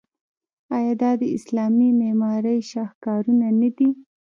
آیا دا د اسلامي معمارۍ شاهکارونه نه دي؟